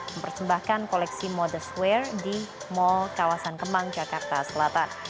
mempersembahkan koleksi modest wear di mal kawasan kemang jakarta selatan